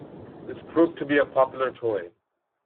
This proved to be a popular toy.